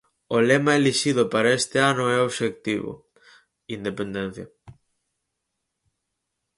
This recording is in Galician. O lema elixido para este ano é Obxectivo: independencia.